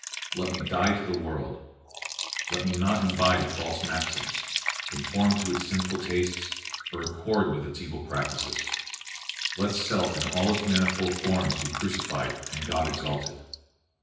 Let me die to the world; let me not imbibe its false maxims, conform to its sinful tastes, or accord with its evil practices. Let self in all its manifold forms be crucified, and God exalted.